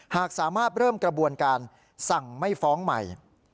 หากสามารถเริ่มกระบวนการสั่งไม่ฟ้องใหม่